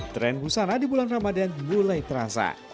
tren busana di bulan ramadan mulai terasa